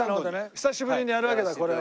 久しぶりにやるわけだこれを。